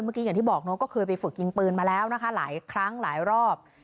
เมื่อกี้อย่างที่บอกเนอะก็เคยไปฝึกยิงปืนมาแล้วนะคะหลายครั้งหลายรอบ